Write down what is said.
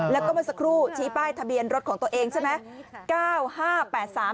แล้วก็เมื่อสักครู่ชี้ป้ายทะเบียนรถของตัวเองใช่ไหม